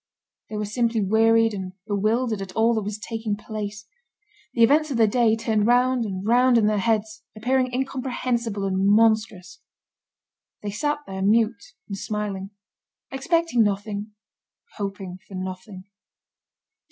They were simply wearied and bewildered at all that was taking place. The events of the day turned round and round in their heads, appearing incomprehensible and monstrous. They sat there mute and smiling, expecting nothing, hoping for nothing.